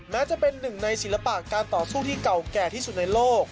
แม้จะเป็นหนึ่งในศิลปะการต่อสู้ที่เก่าแก่ที่สุดในโลก